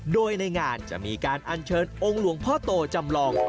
โดยในงานจะมีการอัญเชิญองค์หลวงพ่อโตจำลอง